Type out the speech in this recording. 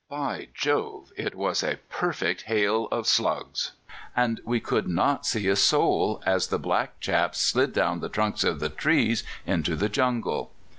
By Jove! it was a perfect hail of slugs; and we could not see a soul, as the black chaps slid down the trunks of the trees into the jungle.